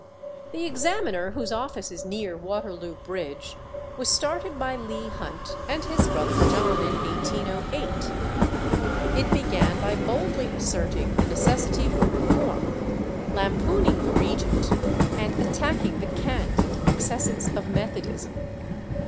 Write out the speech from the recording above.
The Examiner, whose office is near Waterloo Bridge, was started by Leigh Hunt and his brother John in 1808. It began by boldly asserting the necessity for reform, lampooning the Regent, and attacking the cant and excesses of Methodism.